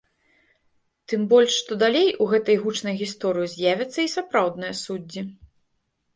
Тым больш, што далей у гэтай гучнай гісторыі з'явяцца і сапраўдныя суддзі.